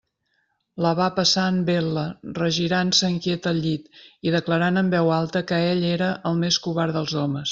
La va passar en vetla, regirant-se inquiet al llit, i declarant en veu alta que ell era el més covard dels homes.